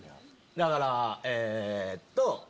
だからえっと。